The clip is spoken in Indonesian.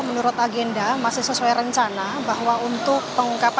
menurut agenda masih sesuai rencana